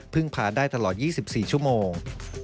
ผ่านได้ตลอด๒๔ชั่วโมง